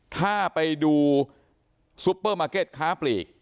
ถ้าไปดูซุปเปอร์มาร์เก็ตค้าปลีก